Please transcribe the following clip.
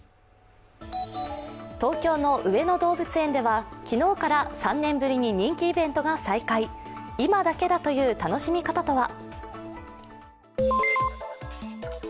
東京の上野動物園では昨日から３年ぶりに人気イベントが再開、今だけだという楽しみ方とは。